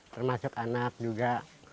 termasuk anak juga